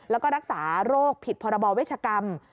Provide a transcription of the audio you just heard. แล้วก็รักษาโรคผิดพรบเวชกรรม